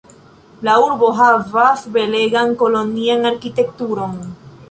La urbo havas belegan kolonian arkitekturon.